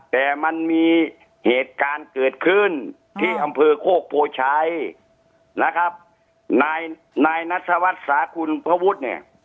แต่มันมีเหตุการณ์เกิดขึ้นที่อำเภอโคกโพชัยนะครับนายนายนัสวัสสากุลพระวุฒิเนี่ย